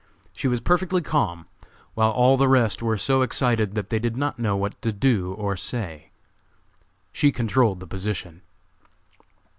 She was perfectly calm, while all the rest were so excited that they did not know what to do or say. She controlled the position.